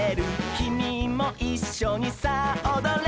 「きみもいっしょにさあおどれ」